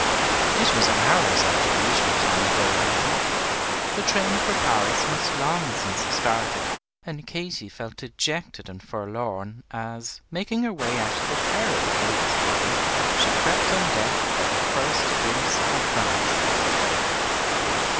It was hours after the usual time for arrival; the train for Paris must long since have started, and Katy felt dejected and forlorn as, making her way out of the terrible ladies' cabin, she crept on deck for her first glimpse of France.